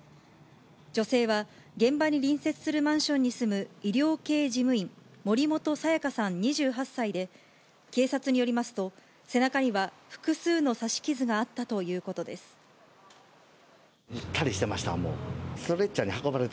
女性は現場に隣接するマンションに住む医療系事務員、森本彩加さん２８歳で、警察によりますと、背中には複数の刺し傷ぐったりしてました、もう。